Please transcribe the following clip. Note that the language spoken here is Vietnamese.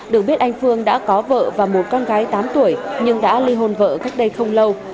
được biết anh phương đã có vợ và một con gái tám tuổi nhưng đã ly hôn vợ cách đây không lâu